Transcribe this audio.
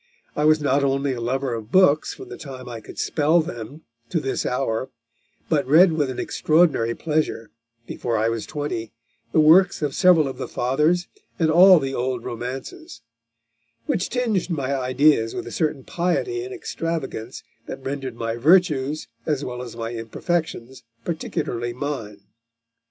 I was not only a lover of books from the time I could spell them to this hour, but read with an extraordinary pleasure, before I was twenty, the works of several of the Fathers, and all the old romances; which tinged my ideas with a certain piety and extravagance that rendered my virtues as well as my imperfections particularly mine....